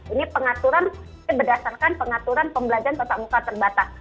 ini pengaturan berdasarkan pengaturan pembelajaran tetap muka terbatas